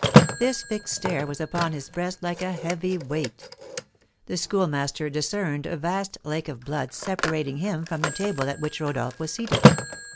This fixed stare was upon his breast like a heavy weight. The Schoolmaster discerned a vast lake of blood separating him from the table at which Rodolph was seated.